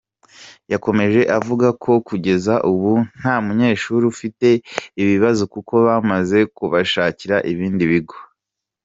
Yakomeje avuga ko kugeza ubu nta munyeshuri ufite ikibazo kuko bamaze kubashakira ibindi bigo.